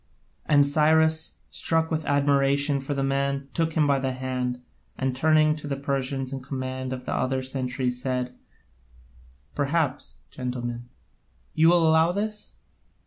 And Cyrus, struck with admiration for the man, took him by the hand, and turning to the Persians in command of the other centuries said: "Perhaps, gentlemen, you will allow this?"